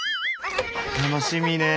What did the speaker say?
楽しみねえ。